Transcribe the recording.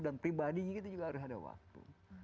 dan pribadi kita juga harus ada waktu